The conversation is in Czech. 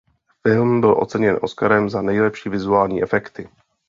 Film byl oceněn Oscarem za nejlepší vizuální efekty.